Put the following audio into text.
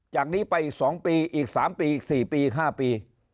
จากนี้ไปอีก๒ปีอีก๓ปีอีก๔ปี๕ปี